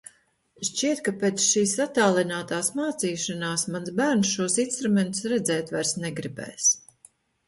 Šķiet, ka pēc šīs attālinātās mācīšanās mans bērns šos instrumentus redzēt vairs negribēs...